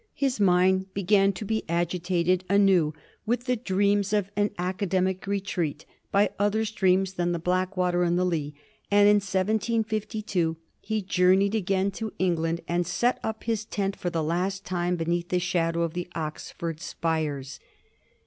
His mind began to be agitated anew with the dream of an academic retreat by other streams than the Blackwater and the Lee, and in 1752 he journeyed again to England and set up his tent for the last time beneath the shadow of the Oxford spires.